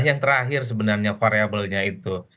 yang terakhir sebenarnya variabelnya itu